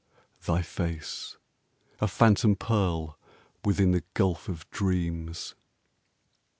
thy face, A phantom pearl within the gulf of dreams!